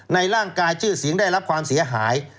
ในร่างกายชื่อเสียงได้รับความเสียหาย